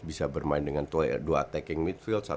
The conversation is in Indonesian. bisa bermain dengan dua taking midfield